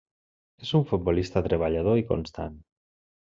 És un futbolista treballador i constant.